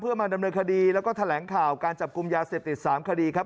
มาดำเนินคดีแล้วก็แถลงข่าวการจับกลุ่มยาเสพติด๓คดีครับ